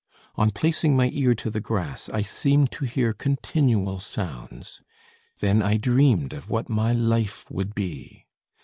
On placing my ear to the grass I seemed to hear continual sounds. Then I dreamed of what my life would be.